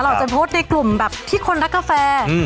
เราจะโพสต์ในกลุ่มแบบที่คนรักกาแฟ